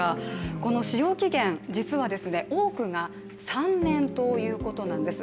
この使用期限、実は多くが３年ということなんです。